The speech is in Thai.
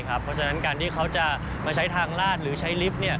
เพราะฉะนั้นการที่เขาจะมาใช้ทางลาดหรือใช้ลิฟต์